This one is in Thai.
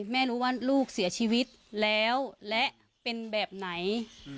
ไม่รู้ว่าลูกเสียชีวิตแล้วและเป็นแบบไหน